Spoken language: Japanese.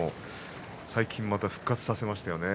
最近、また復活させましたね。